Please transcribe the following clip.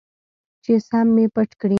چې سم مې پټ کړي.